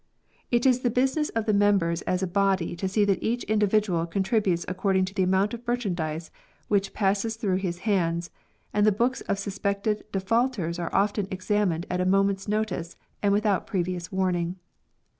It is the business 50 GUILDS. of the members as a body to see that each individual contributes according to the amount of merchandise which passes through his hands, and the books of sus pected defaulters are often examined at a moment's notice and without previous warning.